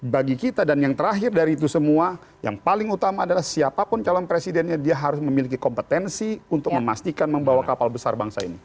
bagi kita dan yang terakhir dari itu semua yang paling utama adalah siapapun calon presidennya dia harus memiliki kompetensi untuk memastikan membawa kapal besar bangsa ini